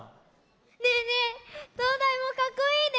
ねえねえとうだいもかっこいいね。